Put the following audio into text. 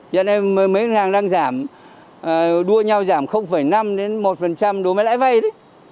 cho nên mấy ngân hàng đang giảm đua nhau giảm năm đến một phần trăm đối với lãi vay đấy